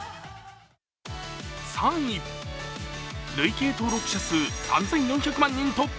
３位、累計登録者数３４００万人突破。